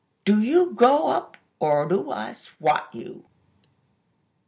Do you go oop? Or do I swat you?"